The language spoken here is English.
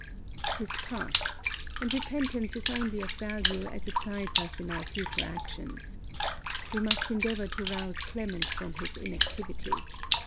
'Tis past: and repentance is only of value as it guides us in our future actions. We must endeavour to rouse Clement from his inactivity.